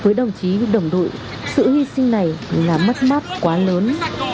với đồng chí đồng đội sự hy sinh này là mất mát quá lớn